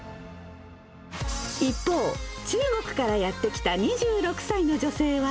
一方、中国からやって来た２６歳の女性は。